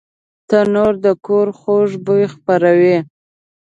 تنور د کور خوږ بوی خپروي